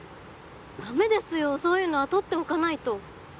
ダメですよそういうのは取っておかないと。